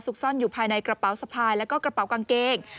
ซ่อนอยู่ภายในกระเป๋าสะพายแล้วก็กระเป๋ากางเกง